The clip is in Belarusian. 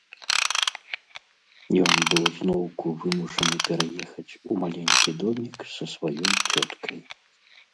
Ён быў зноўку вымушаны пераехаць у маленькі домік са сваёй цёткай.